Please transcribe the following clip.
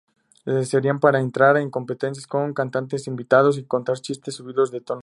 Sería para entrar en competencias con cantantes invitados y contar chistes subidos de tono.